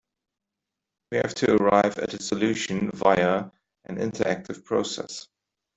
We have to arrive at a solution via an interactive process.